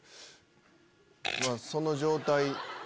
まぁその状態。